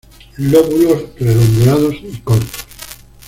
Lóbulos redondeados y cortos.